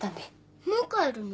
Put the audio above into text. もう帰るの？